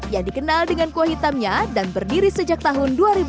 yang dikenal dengan kuah hitamnya dan berdiri sejak tahun dua ribu